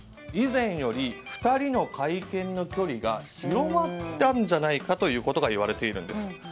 以前より、２人の会見の距離が広がったんじゃないかということが言われているんです。